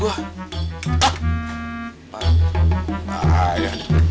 wah rugi dah gua